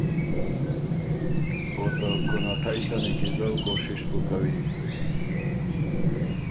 او ته کُونَټئ ته نیکیزؤ کوشش بُو کوی۔